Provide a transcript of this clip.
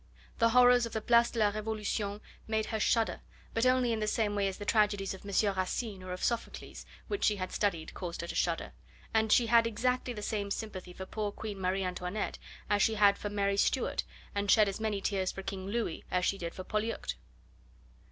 The horrors of the Place de la Revolution made her shudder, but only in the same way as the tragedies of M. Racine or of Sophocles which she had studied caused her to shudder, and she had exactly the same sympathy for poor Queen Marie Antoinette as she had for Mary Stuart, and shed as many tears for King Louis as she did for Polyeucte.